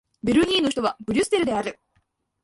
ベルギーの首都はブリュッセルである